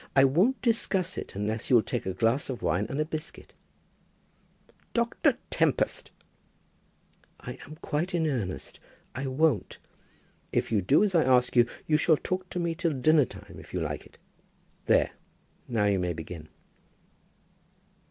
I won't discuss it unless you'll take a glass of wine and a biscuit." "Dr. Tempest!" "I'm quite in earnest. I won't. If you do as I ask you, you shall talk to me till dinner time, if you like it. There. Now you may begin."